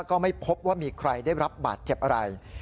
ก็ไม่พบว่ามีใครได้รับบาดเจ็บอะไร